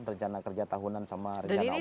rencana kerja tahunan sama rencana awal